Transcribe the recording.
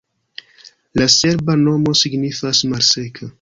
La serba nomo signifas: malseka.